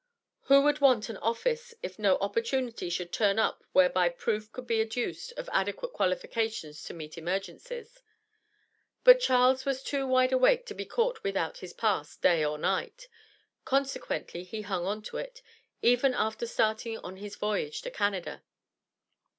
Who would want an office, if no opportunity should turn up whereby proof could be adduced of adequate qualifications to meet emergencies? But Charles was too wide awake to be caught without his pass day or night. Consequently he hung on to it, even after starting on his voyage to Canada.